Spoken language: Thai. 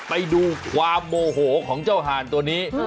ไปดูความโมโหของเจ้าห่านตัวนี้